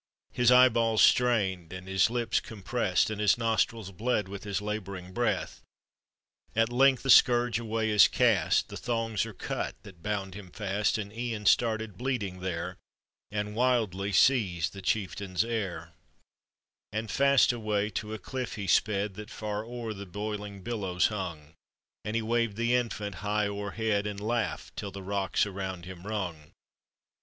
His eyeball? strained and his lip* compreM«d, And bis nostrils bled with his laboring breath. At length the scourge away is cast, The thongs are cut that bound him fast, And Ian started blooding there And wildly seized the chieftain's heir, And fast away to a cliff he sped, That fur o'er the boiling billows hung; And he waved the infant high oVrhead, And laughed till the rooks around him rung.